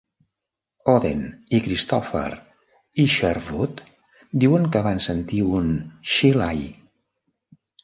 Auden i Christopher Isherwood diuen que van sentir un Chee Lai!